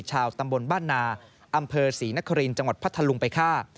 ชาวตำบลบ้านนาอำเภอศรีนครินทร์จังหวัดพัทธลุงไปฆ่า